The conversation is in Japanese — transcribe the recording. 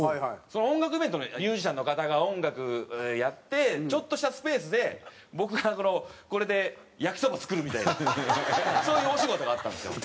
その音楽イベントミュージシャンの方が音楽やってちょっとしたスペースで僕がこのこれで焼きそば作るみたいなそういうお仕事があったんですよ。